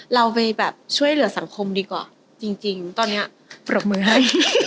เราไปแบบช่วยเหลือสังคมดีกว่าจริงตอนนี้ปรบมือให้